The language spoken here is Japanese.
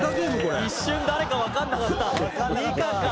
一瞬誰かわかんなかった。